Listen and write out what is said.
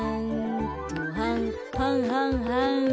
はんはんはんはん。